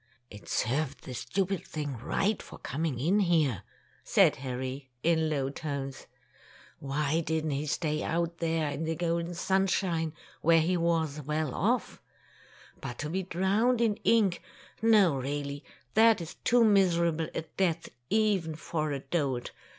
"It served the stupid thing right for coming in here," said Harry, in low tones. 40 Tales of Modern Germany ''Why didn't he stay out there in the golden sunshine where he was well off ? But to be drowned in ink! No, really, that is too miserable a death even for a dolt!